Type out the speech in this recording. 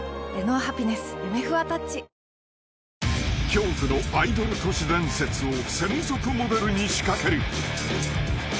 ［恐怖のアイドル都市伝説を専属モデルに仕掛ける］